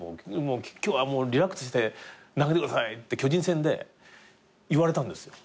「今日はもうリラックスして投げてください」って巨人戦で言われたんですよ。